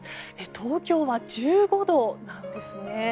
東京は１５度なんですね。